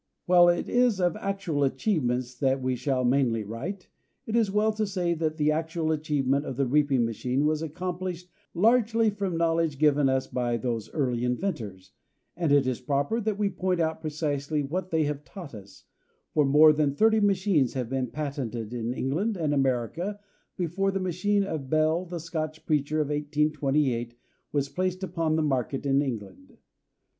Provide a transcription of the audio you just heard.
[Illustration: SALMON REAPER.] While it is of actual achievements that we shall mainly write, it is well to say that the actual achievement of the reaping machine was accomplished largely from knowledge given us by those early inventors, and it is proper that we point out precisely what they have taught us, for more than thirty machines have been patented in England and America before the machine of Bell, the Scotch preacher, of 1828, was placed upon the market in England.